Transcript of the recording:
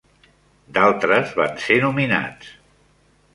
D'altres van ser nominats.